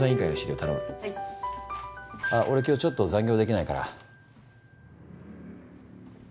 あっ俺今日ちょっと残業できないから。